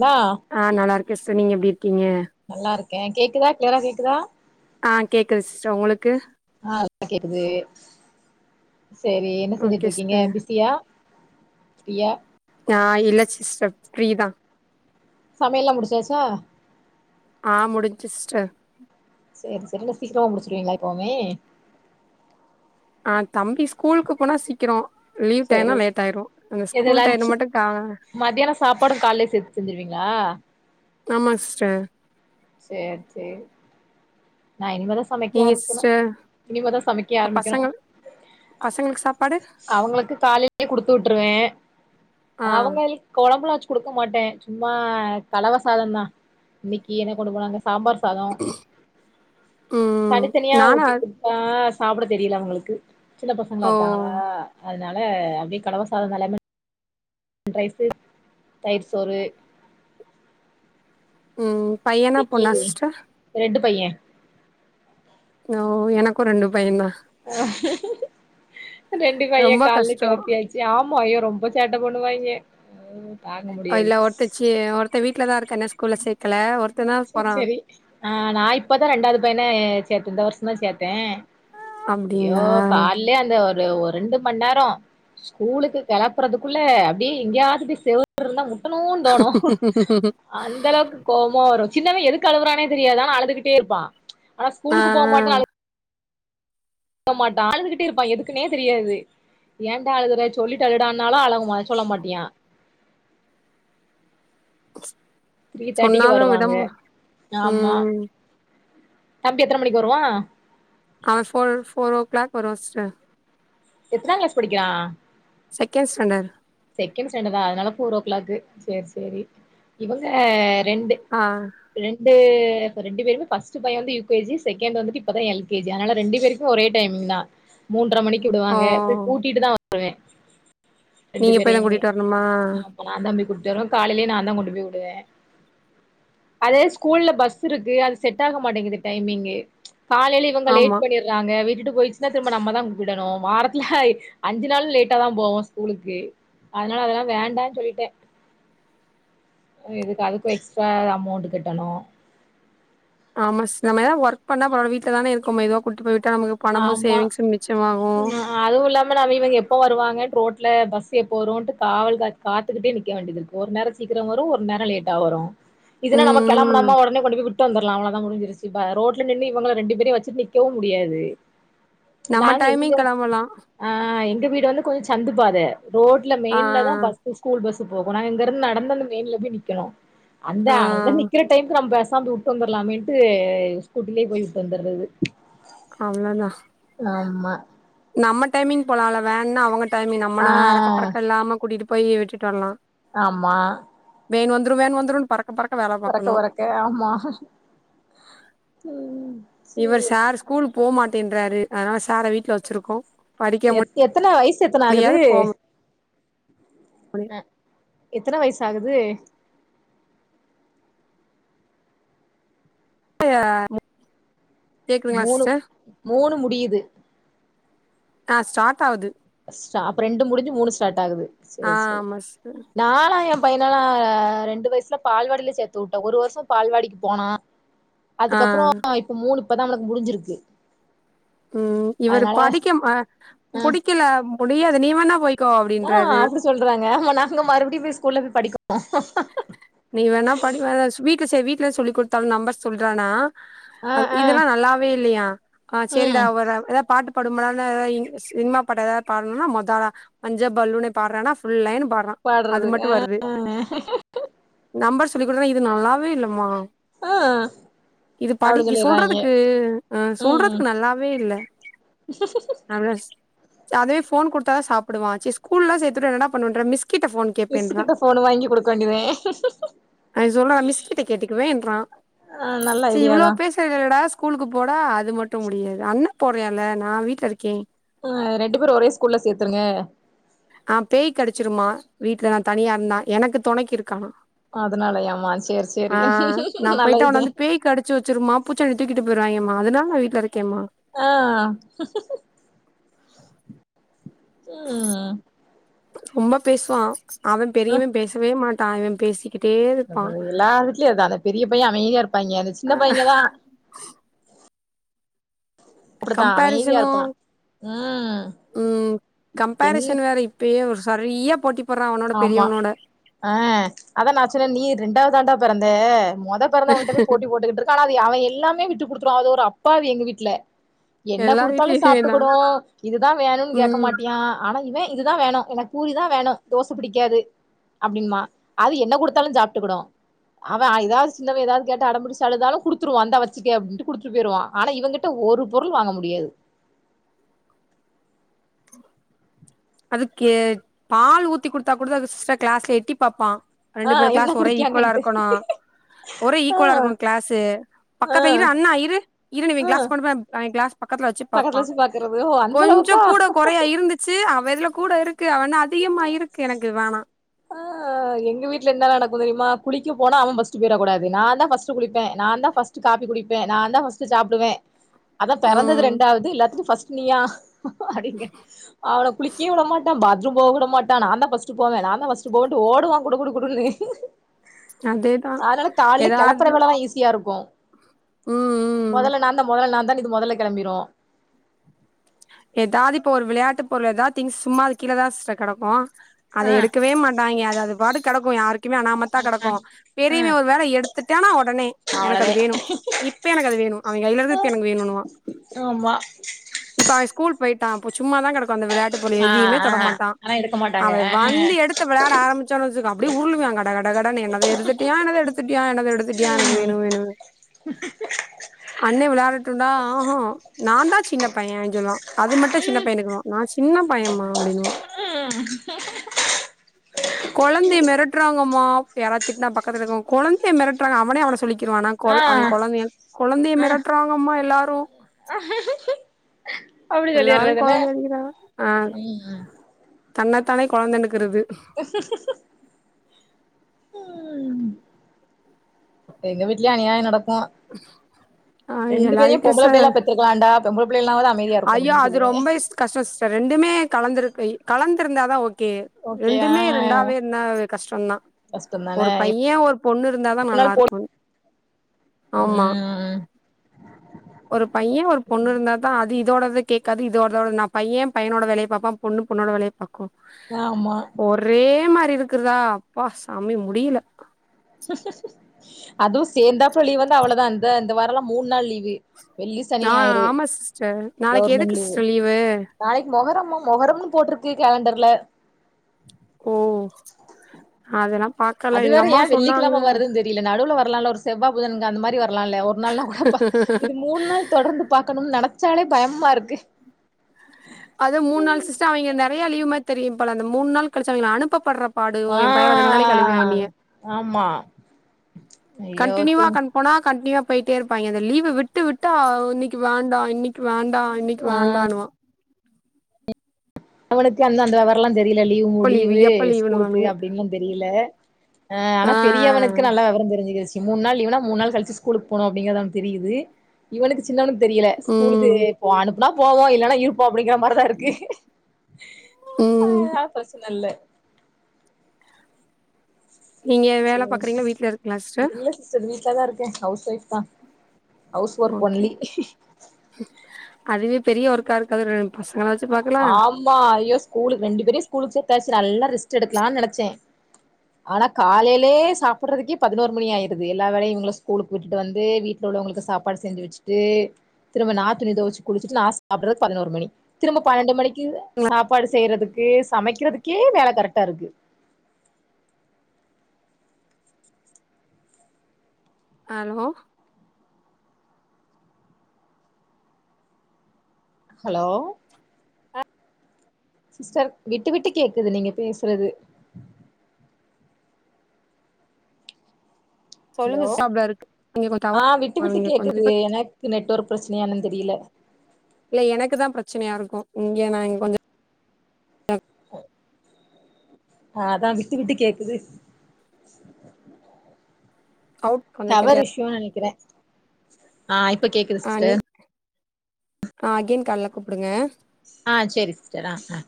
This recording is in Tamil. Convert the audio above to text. ன்னா ஆ நல்லாருக்கே சிஸ்டர் நீங்க எப்டி இருக்கீங்க நல்லாருக்கே கேக்குதா கிளியரா கேக்குதா ஆ கேக்குது சிஸ்டர் உங்களுக்கு ஆ இப்ப கேக்குது செரி என்ன ஓகே செஞ்சுட்ருக்கீங்க சிஸ்டர் பிஸியா இல்ல நா இல்ல சிஸ்டர் ஃப்ரீதா சமைல்லா முடிச்சாச்சா ஆ முடிஞ்சு சிஸ்டர் சேரி சேரி என்ன சீக்ரமா முடிச்சிருவீங்ளா எப்போவ்மே ஆ தம்பி ஸ்கூல்க்கு போனா சீக் ரோ லீவ் டைம்னா சேரி லேட்டாய்ரு இந்த எது ஸ்கூல் டைத்த லன்ச்சு மட்டு காலார மத்தியான சாப்பாடு கால்லே சேத் செஞ்சிருவீங்ளா ஆமா சிஸ்டர் சேர் சேரி நான் இனிமேதா சமைக்க நீங்க ஆரமிக்கணு சிஸ்டர் இனிமேதா சமைக்கே ஆரமிக்கணு பசங்க பசங்களுக்கு சாப்பாடு அவுங்களுக்கு காலைலே குடுத்து உட்ருவே ஆ அவுங்கள்க் கொழம்புலா வச்சு குடுக்க மாட்டே சும்மா கலவ சாதந்தா இன்னைக்கு என்ன கொண்டு போனாங்க சாம்பார் சாதோ ம் தனித்தனியா நானா ஊத்தி குடுத் ஆ சாப்ட தெரியல அவுங்களுக்கு சின்ன பசங்களா ஓ இருப்பாங்களா அதனால அப்டியே கலவ சாதம்தான் லெமன் ரைசு தயிர் சோறு ம் பையனா இன்னைக்கி பொன்னா சிஸ்டர் ரெண்டு பைய ஓ எனக்கு ரெண்டு பையன் தான் ஆ ரெண்டு ரொம்ப பையன் கால்லே கஷ்டோ கிளப்பியாச்சு ஏ ஆமா ஐய்யோ ரொம்ப சேட்டை பண்ணுவாங்கே ம் இல்ல ஒருத்தச்சு ஒருத்த வீட்லதான் இருக்க இன்னு ஸ்கூல்ல சேக்கல ஒருத்தன் தான் சேர் போறான் சேரி ஆ நான் இப்பதான் ரெண்டாவது பையன சேர்த்தேன் இந்த வருஷம் தான் சேர்த்தேன் ஐயோ அப்டிங்களா கால்லே அந்த ஒரு ரெண்டு மண நேரோ ஸ்கூலுக்கு கிளப்புறதுக்குள்ள அப்டியே எங்கேயாவது செவ ரு இருந்தா முட்டணும்னு தோணும் அந்த அளவுக்கு கோமா வரும் சின்னவன்‌ எதுக்கு அழுவுரானே தெரியாது அனா அழுதுகிட்டே இருப்பான் ஆனா ஆ ஸ்கூல்க்கு போக மாட்டே அழு க மாட்டா அழுதுகிட்டே இருப்பான் எதுக்குனே தெரியாது ஏன்டா அழுற சொல்லிட்டு அழுடான்னாலும் அழ ம சொல்ல மாட்டியான் த்ரீ தேர்ட்டிக்கு சொன்னாலும் விட வருவாங்க ம ஆமா ம் தம்பி எத்தன மணிக்கு வருவான் அவன் ஃபோர் ஃபோர்வ் ஓ கிளாக் வருவான் சிஸ்டர் எத்தனாங் கிளாஸ் படிக்கிறான் செகண்ட்ஸாண்டட் செகண்ட் சாண்டடா அதனால ஃபோர் ஓ கிளாக்கு சேர் சேரி இவங்க ரெண்டு ஆ ரெண்டு ரெண்டு பேருமே பஸ்டு பையன் வந்து யு கே ஜி செகண்ட் வந்து இப்பதான் எல் கே ஜி ஆதனால ரெண்டு பேருக் ஒரே டைமிங் தான் மூன்ற மணிக்கு ஓ விடுவாங்க போய் கூட்டிட்டு தான் வருவேன் நீங்க போய் தான் கூட்டிட்டு வரணுமா நான் தான் போய் கூட்டு வருவேன் காலையிலையும்‌ நா தான் கொண்டு போய் விடுவேன் அது ஸ்கூல்ல பஸ் இருக்கு அது செட் ஆக மாட்டேங்குது டைமிங்கு காலையில இவங்க ஆமா லேட் பண்ணிர் நாங்க வீட்டுட்டு போயிடுச்சுன்னா திரும்ப நம்ம தான் விடணும் வாரத்துல அஞ்சு நாள் லேட்டா தான் போவான் ஸ்கூலு க்கு அதனால அதெல்லாம் வேண்டாம்ன் சொல்லிட்டேன் இதுக்கு அதுக்கும் எக்ஸ்ட்டா அமௌண்ட் கட்டணும் ஆமா சிஸ் நம்ம எதாவுது ஒர்க் பண்ணா பறவாயில்ல வீட்ல தானே இருக்கேம் மெதுவா கூட்டு போய் விட்டா நமக்கு பணமும் சேவிங்ஸும் மிச்சமாகும் அதுவும் இல்லாம நாம இவங்க எப்போ வருவங்க ரோட்ல பஸ் எப்போ வரும்ன்ட்டு காவல் கா காத்துக்கிட்டே நிக்க வேண்டியது இருக்கு ஒரு நேரோ சீக்கிரம் வரும் ஒரு நேரம் லேட்டா வரும் இதுனா ம் நம்ம ம் கிளம்பணமா உடனே கொண்டு போய் விட்டு வந்துடலாம் முடிஞ்சிருச்சு ரோட்ல நின்று இவுங்க ரெண்டு பேரயும் வச்சு நிற்கவும் முடியாது நம்ம நாங்க டைமிங் எங்க கெளம்பலா ஆ எங்க வீடு வந்து கொஞ்சம் சந்துப்பாத ரோட் ல ஆ மெயின்ல தான் பஸ் ஸ்கூல் பஸ் போகும் நான் இங்க இருந்து நடந்து அந்த மெயின்ல போய் நிக்கணும் அந்த ஆ அங்க நிக்கிற டைமுக்கு நம்ம பேசாந்து விட்டு வந்துரலாமேன்ட்டு ஸ்கூட்டிலேயே போய் விட்டு வந்துடுறது அவ்ளோதான் ஆமா நம்ம டைமிங் போலாம்ல வேன்னா அவங்க டைமிங் ஆ நம்மனா அறக்க பறக்க இல்லாம கூட்டிட்டு போய் விட்டுட்டு வரலாம் ஆமா வேன் வந்துரும் வேன் வந்துருனு பறக்க பறக்க வேலை பறக்க பார்க்கணும் பறக்க ஆமா ம் இவர் சேரி சார் ஸ்கூலு போக மாட்டேன்றாரு அதனால சார வீட்ல வச்சிருக்கோ படிக்க எத் எத்தன வயசு எத்தன ஆகுது முடியாது போ முடியாது அ எத்தனை வயசு ஆகுது [unintelligible] கேக்குதுங்களா மூணு சிஸ்டர் மூணு முடியிது ஆ ஸ்டார்ட் ஆவுது ஸ்ட்ரா அப்ப ரெண்டு முடிஞ்சு மூணு ஸ்டார்ட் ஆகுது ஆ சேரி சேரி ஆமா சிஸ்டர் நா லா என் பையனலா ரெண்டு வயசுல பால்வாடில சேத்து வுட்டே ஒரு வருஷம் பால்வாடிக்கு போனா ஆ அதுக்கப்புற இப்ப மூணு இப்பதா அவனுக்கு முடிஞ்சிருக்கு ம் இவரு அதனால படிக்க ம் அ அ புடிக்கல முடியாது நீ வேணா போய் கோ அப்டின்றாரு [unintelligible] ங்க நாங்க மறுபடியு போய் ஸ்கூல்ல போய் படிக்கனு நீங்க வேணா படி வே ஸ் வீட்ல சே வீட்ல சொல்லி குடுத்தாலு நம்பர் சொல்றானா ஆ அது ஆ இதெல்லா நல்லாவே இல்லையா ஆ சேரிடா ம் வர ஏதா பாட்டு படும்படாத இன் சினிமா பட ஏதாவது பாக்னுனா மொத ஆளா மஞ்ச பல்லூன பாடுறானா ஃபுல் லைனு பாடுறா அது பாடுறது அ நம்பர்ஸ் சொல்லிக்குடுத்தன இது நல்லாவே இல்லமா ஆ இது அப்டி பாட்டிக்கு சொல்லிறாய்ங்க சொல்றதுக்கு அ ம் சொல்றதுக்கு நல்லாவே இல்ல நல்ல [unintelligible] அதே ஃபோன் குடுத்தா த சாப்டுவா சே ஸ்கூல்ல சேத்துட்டா என்னடா பண்ணுவேன்ற மிஸ்கிட்ட ஃபோன் மிஸ்ஸு கேப்பேன்றா கிட்ட ஃபோன் வாங்கி குடுக்க வேண்டிதே அவ சொல்றா மிஸ் கிட்ட கேட்டுக்குவேன்றா ஆ நல்ல சரி இவ்ளோ ஐடியாதா பேச றலடா ஸ்கூலுக்கு போடா அது மட்டு முடியாது அண்ண போற்யல நா வீட்ல இருக்கே அ ரெண்டு பேரு ஒரே ஸ்கூல்ல சேத்துருங்க ஆ பேய் கடிச்சிருமா வீட்ல நா தனியா இருந்தா எனக்கு தொணைக்கு இருக்கானா அதனாலயமா சேர் சேரி ஆ நா போயிட்டா அவனை நல்லதுதே வந்து பேய் கடிச்சி வச்சிரும்மா பூச்சாண்டி தூக்கிட்டு போயிறுவாய்ங்கம்மா அதுதாமா வீட்ல இருக்கேம்மா ஆ ம் ரொம்ப பேசுவா அவ அ பெரியவ பேசவே மாட்டா இவ பேசி எல்லா வீட்லயு அதா அந்த பெரிய பைய அமைதியா இருப்பாய்ங்க அந்த சின்ன பையங்க தா அப்டித்தா அமைதியா கம்பரிசனு இருப்பா ம் ம் என் கம்பரிசன் வேற இப்பயே ஒரு சரியா போட்டி போடுறா அவனோட பெரியவனோட அ அதா நா சொன்ன நீ ரெண்டாவதான்டா பிறந்த மொத பிறந்தவங்கிட்ட பேய் போட்டி போட்டுகிட்டு இரு காணாது அவ எல்லாமே விட்டு குடுத்துருவா அது ஒரு அப்பாவி எங்க வீட்ல என்ன எல்லா குடுத்தாலு வீட்லயுமேதா சாப்ட்டுகுடு இதுதா வேணுன் கேக்க ம் மாட்டியா ஆனா இவ இதுதா வேணு எனக் பூரிதா வேணு அ தோச பிடிக்காது அப்டின்பா அது என்ன குடுத்தாலு சாப்ட்டுக்குடு அவ அ எதாது சின்னவ எதாது கேட்டு அடம்பிடுச்சழுதாலு குடுத்துருவா இந்தா வச்சுக்க அப்டின்ட்டு குடுத்துட்டு பேயிருவா ஆனா இவங்கிட்ட ஒரு பொருள் வாங்க முடியாது அதுக்கே பால் ஊத்தி குடுத்தா குடிறா தா து ஸ்ரா கிளாஸ எட்டி பாப்பா ஆ ரெண்டு பேர் என்ன கிளாஸ் ஒரே ஈக்வலா குடிக்காங்கன்ட்டு இருக்கணும் ஒரே ஆ ஈக்வலா இருக்கணும் கிளாசு ஆ பக்கத்து இரு அண்ணா இரு இரு நா அவங்க ஆ கிளாஸ் கொண்டு போயி அவன் கிளாஸ் பக்கத்துல வச்சி பக்கத்துல பாப்பான் வச்சு பாக்குறது ஓ அந்த கொஞ்சம் அளவுக்கா கொறையா இருந்துச்சி அவ இதுல கூட இருக்கு அவன அதிகமா இருக்கு எனக்கு வேணா உ எங்க வீட்ல என்ன நடக்கும் தெரியுமா குளிக்க போனா அவன் பஸ்ட்டு போயிர கூடாது நாந்தா பஸ்ட்டு குளிப்பேன் நாந்தா ஃபஸ் டு காப்பி குடிப்பே நான் தான் ஃபஸ்ட்டு சாப்டுவே அதா பெறந்தது ம் ரண்டாவது எல்லாத்துக்கும் பஸ்ட்டு நீயா அப்டிங்க அவன குளிக்கே உட மாட்டான் பாத்ரூம் போவ உட மாட்டான் நாந்தா ஃபஸ்ட்டு போவேன் நாந்தா ஃபஸ் டு போவன்ட்டு ஓடுவான் குடு குடு குடு னு அதேதா அதனால கால்ல கெளப்புற ஏதாவது வேலலா ஈஸியா இருக்கும் ம் ம் மொதல்ல நான்தான் மொதல்ல நான்தானு இது மொதல்ல கெளம்பிரும் எதாவது இப்ப ஒரு விளையாட்டு பொருள் எதா திங்க்ஸ் சும்மா அது கீழ தா சிஸ்டர் கடக்கும் அத ஆ எடுக்கவே மாட்டாங்க அது அது பாட்டுக்கு கெடக்கும் யாரு க்குமே அனாமத்தா ஆ கடக்கும் ஆ பெரியவன் ஒரு வேல எடுத்துட்டானா ஒடனே எனக்கு அவ்ளோதே அது வேணு இப்ப எனக்கு அது வேணும் அவன் கைல இருக்கறதுக்கு எனக்கு வேணுன்னுவா ஆமா இப்ப அவன் ஸ்கூல் போயிட்டான் சும்மாதா கடக்கும் அந்த விளையாட்டு பொருள் ஆ எதையுமே ஆ தொட மாட்டான் ஆனா எடுக்க மாட்டாங்க அவன் ஆ வந்து ஆ எடுத் து விளையாட ஆரம்பிச்சான் வச்சிக்கோ அப்டே உருளுவான் கட கட கடனு என்னத எடுத்துட்டயா என்னத எடுத்துட்டயா என்னத எடு த்துட்டியா எனக்கு வேணு ம் வேணு அண்ணே விளையாடுட்டுண்டா ஆஹ நான்தான் சின்ன பையன் சொல்லுவான் அது மட்டும் சின்ன ம் பையனுக்கு வா நா சின்ன பையம்மா அப்டின்னுவா ம் கொழந்தய மெரட்டறாங்கம்மா யாராவது திட்னா பக்கத்துல இருக்கவங்க கொழந்தய மெரட்டறாங்க அவனே அவன சொல்லிக்கிருவா நாங் கொழ ஆ அவன் கொழந்தய கொழந்தய ஆ மெரட்டறாங்கம்மா எல்லாரும் அப்டி எல்லாரு சொல்லிறது என்ன கொழந்தைய அடிக்கிறாங்க ஆ ம் தன்னத்தானே கொழந்தனுக்கிறது எங்க வீட்லயும் அனியாயம் நடக்கும் ஆ ரெண்டு எல்லா பேரையும் வீட்லயு பொம்பள ச பிள்ளைகளா பெத்துருக்கலான்டா பொம்பள பிள்ளைகளானாவது ஐயோ அது ரொம்ப கஷ்டம் சிஸ்டர் ரெண்டுமே கலந்துருக்கு‌ கலந்திருந்தாதான் ஓகே ஓகே ஆ ரெண்டுமே ரெண்டாவே இருந்தா அது கஷ்டம்தான் ஒரு கஷ்டந்தானே பையன் ஒரு பொண்ணு இருந்தாதா இத்தனால நல்லா போ இருக்கும் ஆமா ம் ஒரு பையன் ஒரு பொண்ணு இருந்தா தான் அது இதோடத கேக்காது இதோடத நா பையன் பையனேட வேலய பாப்பான் பொண்ணு பொண்ணோட வேலய பாக்கும் ஆமா ஒரே மாரி இருக்கிறதா அப்பா சாமி முடியில அதுவும் சேந்தாப்பல லீவ் வந்தா அவ்ளோதா அந்த இந்த வாரலாம் மூண் நாள் லீவு வெள்ளி சனி ஆ ஞாயிறு ஆமா சிஸ்டர் நாளைக்கு கவுர்மென்ட் எதுக்கு லீவு சிஸ்டர் நாளைக்கு மொஹரம்மா மொஹரம்னு போட்டுருக்கு காலண்டர்ல ஓ அதெல்லா பாத் அது வேற ஏன் வெள்ளிக்கிழம வருதுன்னு தெரியல நடுவுல வரலாம் இல்ல ஒரு செவ்வா புதன் அந்த மாறி வரலாம் இல்ல ஒரு நாள்னா கூட ப இது மூணு நாள் தொடர்ந்து பாக்கணும்னு நெனைச்சாலே பயமா இருக்கு அது மூணு நாள் சிஸ்டர் அவங்க நெறைய லீவ் மாரி தெரியும் போல அந்த மூணு நாள் கழிச்சு அவங்கள அனுப்பப்பட்ற பாடு ஆ என் பையன ரெண்டு நாளைக்கு அழைவா என்னய ஆமா ஐயோ தூ கண்டினியூவா கன் போனா கண்டினியூவா போயிட்டே இருப்பாங்க இந்த லீவு விட்டு விட்டா இன்னைக்கு வேண்டா இன்னைக்கு வேண் டா இன்னைக்கு வேண்டான்னுவா அவனுக்கு இன்னு அந்த வெவரம்லா தெரியல லீவு மு எப்ப லீவு எப்ப ஸ்கூலுக்கு லீவுன்னுவானுங்க அப்டின்னுலா தெரில ஆ ஆனா பெரியவனுக்கு நல்ல வெவரம் தெரிஞ்சிகிடுச்சு மூன்நாள் லீவுனா மூன்நாள் கழிச்சு ஸ்கூலீக்கு போனு அப்டிங்கறது அவனுக்கு தெரியுது இவனுக்கு சின்னவனுக்கு தெரியல ஸ்கூலுக்கு ம் போ அனுப்புனா போவோ இல்லன்னா இருப்போ அப்டிங்கிற மாரிதா இருக்கு ம் அதனால பிரச்சன இல்ல நீங்க வேல சேரி பாக்குறீங்களா சிஸ் வீட்ல இருக்கீங்களா சிஸ்டர் இல்ல சிஸ்டர் வீட்லதா இருக்கே ஹவுஸ் ஒய்ஃப்தா ஹவுஸ் ஒர்க் ஓகே ஒன்லி அதுவே பெரிய ஒர்க்கா இருக்காது ரெண் பசங்கள வச்சு பாக்றதுலா ஆமா ஐயோ ஸ்கூலுக்கு ரெண்டு பேரையு ஸ்கூலுக்கு சேத்தாச்சு நல்லா ரெஸ்ட் எடுக்கலானு நெனச்சே ஆனா காலைலே சாப்புறதுக்கே பதினோரு மணி ஆயிடுது எல்லா வேலையு இவங்கள ஸ்கூலுக்கு விட்டுட்டு வந்து வீட் ல உள்ளவங்களுக்கு சாப்பாடு செஞ்சு வச்சிட்டு திரும்ப நா துணி தொவச்சு குளிச்சிட்டு நா சாப்புட்றது பதினோரு மணி திரும்ப பன்னெண்டு மணிக்கு சாப்பாடு செய்றதுக்கு சமைக்கிறதுக்கே வேல கரெக்டா இருக்கு ஹலோ ஹலோ சிஸ்டர் விட்டு விட்டு கேக்குது நீங்க பேசுறது ஹலோ சொல்லுங்க சாப்ல இருக்கு இங்க கொஞ்ச ஆ விட்டு டவர் விட்டு இங்க கொஞ்ச கேக்குது இப்ப எனக்கு நெட்வொர்க் பிரச்சனையா என்னைனு தெரியல இல்ல எனக்குதா பிரச்சனையா இருக்கு இங்க நாங்க கொஞ்சோ கு ஆ அதா விட்டு விட்டு கேக்குது அவுட் கொஞ்ச டவர் கெடையாது இஸ்யூனு நெனைக்கிறே ஆ இப்ப கேக்குது ஆ நீ சிஸ்டர் ஆ அகைன் கால்ல கூப்டுங்க ஆ சேரி சிஸ்டர் ஆ ஆ